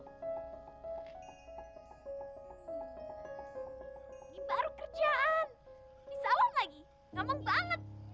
ini baru kerjaan di salon lagi gampang banget